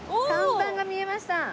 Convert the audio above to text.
看板が見えました。